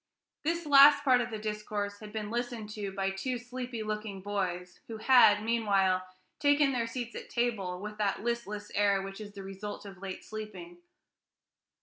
This last part of the discourse had been listened to by two sleepy looking boys, who had, meanwhile, taken their seats at table with that listless air which is the result of late sleeping.